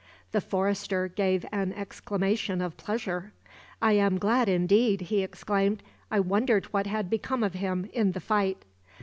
The forester gave an exclamation of pleasure. "I am glad, indeed," he exclaimed. "I wondered what had become of him, in the fight."